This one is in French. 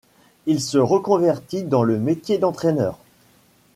Il se reconvertit dans le métier d'entraîneur.